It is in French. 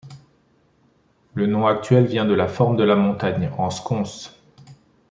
Le nom actuel vient de la forme de la montagne, en sconce.